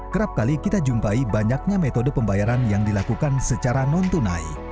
kerap kali kita jumpai banyaknya metode pembayaran yang dilakukan secara non tunai